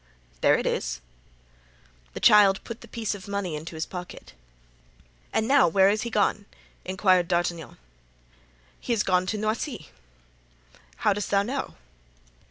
"There it is." The child put the piece of money into his pocket. "And now, where is he gone?" inquired D'Artagnan. "He is gone to Noisy." "How dost thou know?"